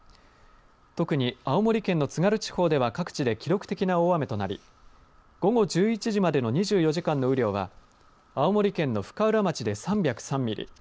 特に青森県の津軽地方では各地で記録的な大雨となり午後１１時までの２４時間の雨量は青森県の深浦町で３０３ミリ